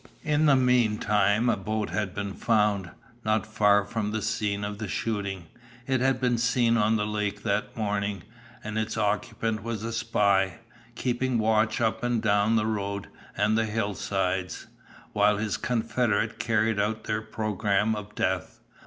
"In the meantime a boat had been found, not far from the scene of the shooting; it had been seen on the lake that morning, and its occupant was a spy, keeping watch up and down the road, and the hillsides, while his confederate carried out their programme of death.